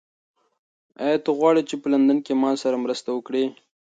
ایا ته غواړې چې په لندن کې له ما سره مرسته وکړې؟